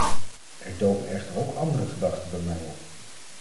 Er doken echter ook andere gedachten bij mij op.